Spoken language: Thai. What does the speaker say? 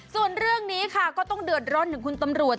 ส่วนเรื่องนี้ค่ะก็ต้องเดือดร้อนถึงคุณตำรวจ